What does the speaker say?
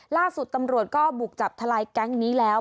ล่าสุดตำรวจก็บุกจับทลายแก๊งนี้แล้ว